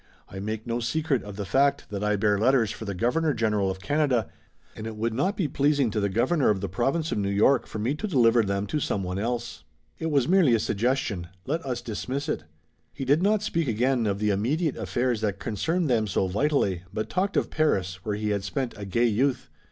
I make no secret of the fact that I bear letters for the Governor General of Canada, and it would not be pleasing to the Governor of the Province of New York for me to deliver them to someone else." "It was merely a suggestion. Let us dismiss it." He did not speak again of the immediate affairs that concerned them so vitally, but talked of Paris, where he had spent a gay youth.